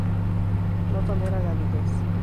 No tolera la aridez.